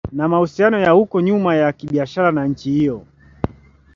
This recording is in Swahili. na mahusiano ya huko nyuma ya kibiashara na nchi hiyo